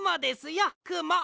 よくも。